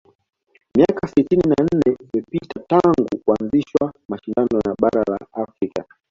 miaka sitini na nne imepita tangu kuanzishwa mashinda ya bara la afrika